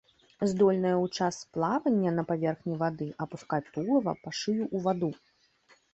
Здольныя ў час плавання на паверхні вады апускаць тулава па шыю ў ваду.